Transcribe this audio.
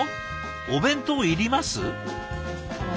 お弁当いります？